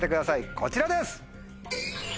こちらです！